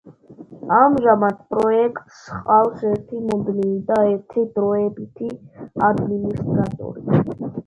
ამჟამად პროექტს ჰყავს ერთი მუდმივი და ერთი დროებითი ადმინისტრატორი.